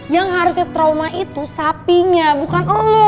yang harusnya trauma itu sapinya bukan ulu